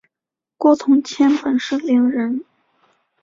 郭从谦本是伶人。